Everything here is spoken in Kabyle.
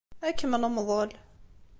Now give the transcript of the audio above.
Ad kem-nemḍel.